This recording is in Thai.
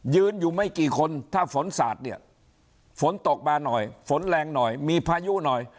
ยืนอยู่ไม่กี่คนถ้าฝนสาดเนี่ยฝนตกมาหน่อยฝนแรงหน่อยมีพายุหน่อย